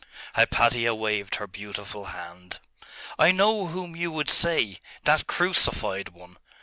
Hypatia waved her beautiful hand. 'I know whom you would say.... that crucified one.